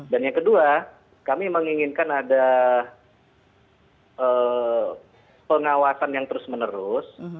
dan yang kedua kami menginginkan ada pengawasan yang terus menerus